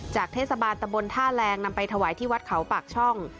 เทศบาลตะบนท่าแรงนำไปถวายที่วัดเขาปากช่อง